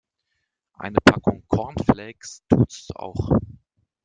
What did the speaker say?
Eine Packung Cornflakes tut's auch.